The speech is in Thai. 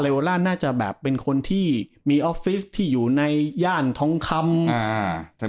เวลาน่าจะแบบเป็นคนที่มีออฟฟิศที่อยู่ในย่านทองคำอ่า